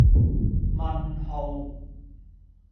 問號